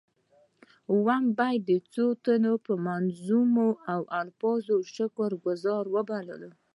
اووم بیت څو تنو په منظومو الفاظو شکر ګذاري وباله.